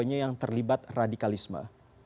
gawanya yang terlibat radikalisme